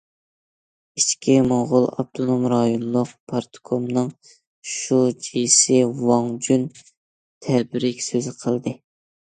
ئىچكى موڭغۇل ئاپتونوم رايونلۇق پارتكومنىڭ شۇجىسى ۋاڭ جۈن تەبرىك سۆزى قىلدى.